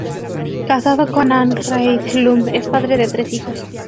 Casado con Ann Reid Lund, es padre de tres hijos.